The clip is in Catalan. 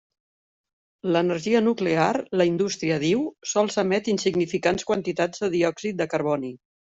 L'energia nuclear, la indústria diu, sols emet insignificants quantitats de diòxid de carboni.